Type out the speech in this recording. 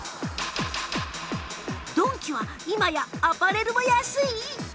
ドンキは今やアパレルも安い？